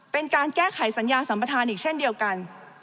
เป็นการแก้ไขสัญญาสัมประธานอีกเช่นเดียวกัน